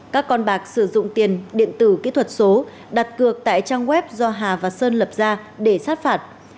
các con bạc sử dụng tiền điện tử kỹ thuật số đặt cược tại trang web do hà và sơn lập ra để sát phạt